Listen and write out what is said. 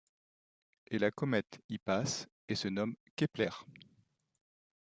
Et la comète y passe, et se nomme Kepler.